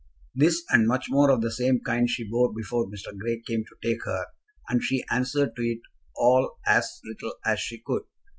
This, and much more of the same kind, she bore before Mr. Grey came to take her, and she answered to it all as little as she could.